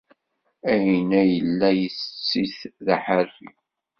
Ayen ay yella itett-it d aḥerfi.